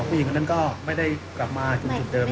อ๋อผู้หญิงคนนั้นก็ไม่ได้กลับมาจุดเดิมนะ